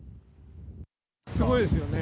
すごいですよね。